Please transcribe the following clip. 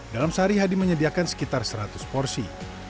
dalam sehari hadi menyediakan sekitar seratus porsi